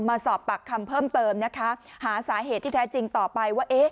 มาสอบปากคำเพิ่มเติมนะคะหาสาเหตุที่แท้จริงต่อไปว่าเอ๊ะ